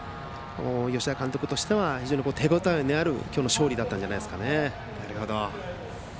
吉田監督としては手応えのある今日の勝利だったんじゃないですかね。